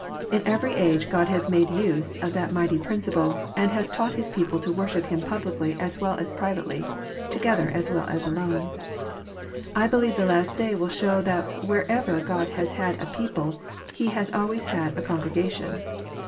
In every age God has made use of that mighty principle, and has taught His people to worship Him publicly as well as privately, together as well as alone. I believe the last day will show that wherever God has had a people He has always had a congregation.